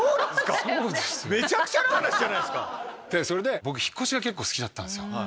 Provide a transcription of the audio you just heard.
それで僕引っ越しが結構好きだったんですよ。